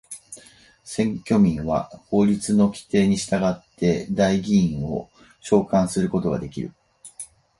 選挙民は法律の規定に従って代議員を召還することができる。